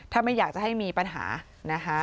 ถ้าไม่อยากจะให้มีปัญหานะคะ